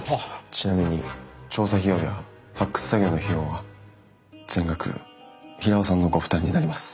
ちなみに調査費用や発掘作業の費用は全額平尾さんのご負担になります。